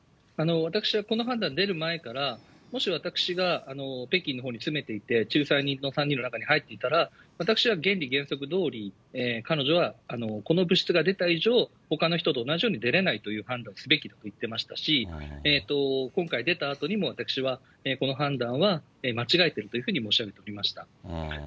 私はこの判断出る前から、もし私が北京のほうに詰めていて、仲裁人の３人の中に入っていたら、私は原理原則どおり彼女はこの物質が出た以上、ほかの人と同じように出れないという判断をすべきだと言っていましたし、今回、出たあとにも私はこの判断は間違えているというふうに申し上げておりました。